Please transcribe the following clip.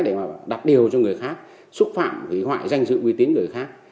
để mà đặt điều cho người khác xúc phạm hủy hoại danh dự uy tín người khác